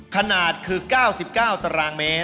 ขนาดคือ๙๙ตรเม